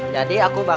jadi aku bakalan